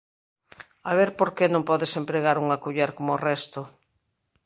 A ver porque non podes empregar unha culler como o resto.